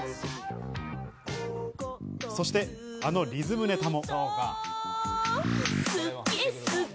そしてあのリズムネタも。